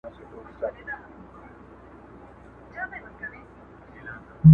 بې منزله مساپره خیر دي نسته په بېړۍ کي؛